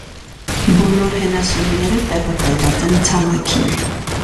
. Բոլոր հենասյուները տեղակայված են ցամաքին։